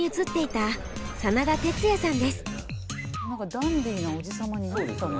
ダンディーなおじ様になったな。